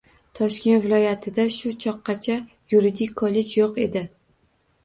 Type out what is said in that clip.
Toshkent viloyatida shu choqqacha Yuridik kollej yoʻq edi.